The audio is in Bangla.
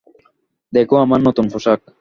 দেখো আমার নতুন পোশাক।